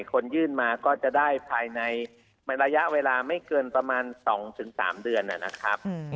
คนยื่นมาก็จะได้ภายในระยะเวลาไม่เกินประมาณ๒๓เดือนนะครับ